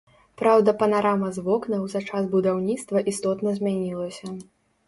Праўда, панарама з вокнаў за час будаўніцтва істотна змянілася.